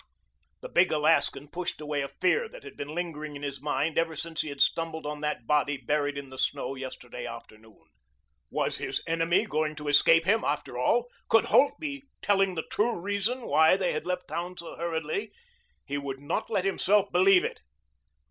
The big Alaskan pushed away a fear that had been lingering in his mind ever since he had stumbled on that body buried in the snow yesterday afternoon. Was his enemy going to escape him, after all? Could Holt be telling the true reason why they had left town so hurriedly? He would not let himself believe it.